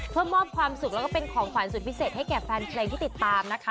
เพื่อมอบความสุขแล้วก็เป็นของขวัญสุดพิเศษให้แก่แฟนเพลงที่ติดตามนะคะ